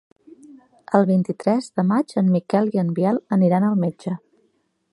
El vint-i-tres de maig en Miquel i en Biel aniran al metge.